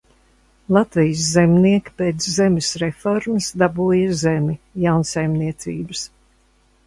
Latvijas zemnieki pēc zemes reformas dabūja zemi – jaunsaimniecības.